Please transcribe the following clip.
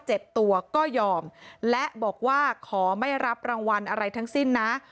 เจ็บตัวก็ยอมและบอกว่าขอไม่รับรางวัลอะไรทั้งสิ้นนะ